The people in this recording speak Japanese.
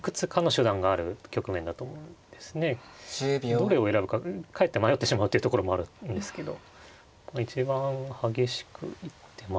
どれを選ぶかかえって迷ってしまうというところもあるんですけど一番激しく行ってますね。